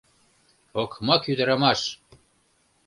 — Окмак ӱдырамаш!